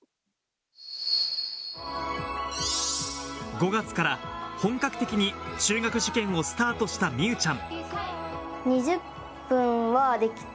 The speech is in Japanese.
５月から本格的に中学受験をスタートした美羽ちゃん。